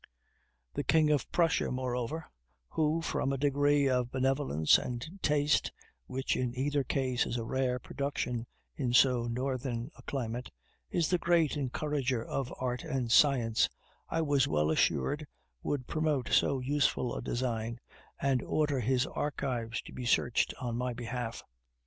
The king of Prussia, moreover, who, from a degree of benevolence and taste which in either case is a rare production in so northern a climate, is the great encourager of art and science, I was well assured would promote so useful a design, and order his archives to be searched on my behalf.